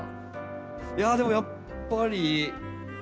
いやでもやっぱりポット。